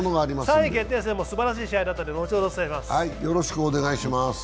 ３位決定戦もすばらしい試合だったので、後ほどお伝えします